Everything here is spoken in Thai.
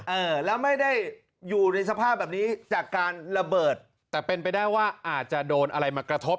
เออแล้วไม่ได้อยู่ในสภาพแบบนี้จากการระเบิดแต่เป็นไปได้ว่าอาจจะโดนอะไรมากระทบ